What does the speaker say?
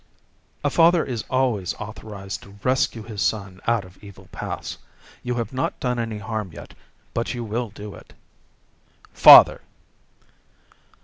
"A father is always authorized to rescue his son out of evil paths. You have not done any harm yet, but you will do it." "Father!"